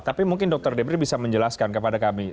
tapi mungkin dokter debri bisa menjelaskan kepada kami